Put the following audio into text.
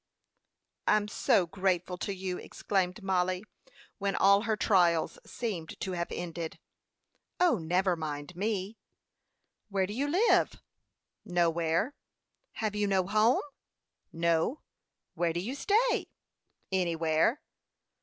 "I'm so grateful to you!" exclaimed Mollie, when all her trials seemed to have ended. "O, never mind me." "Where do you live?" "Nowhere." "Have you no home?" "No." "Where do you stay?" "Anywhere."